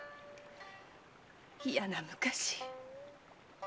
嫌な昔。